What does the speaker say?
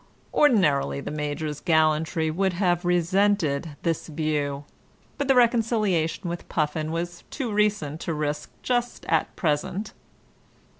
Ordinarily the Major's gallantry would have resented this view, but the reconciliation with Puffin was too recent to risk just at present.